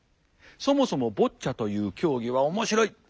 そもそもボッチャという競技は面白い。